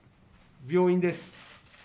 病院です。